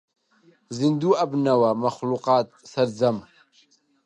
زیندوو ئەبنەوە مەخلووقات سەرجەم